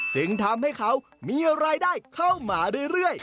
จึงทำให้เขามีรายได้เข้ามาเรื่อย